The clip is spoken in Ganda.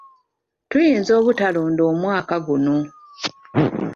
Tuyinza obutalonda omwaka guno.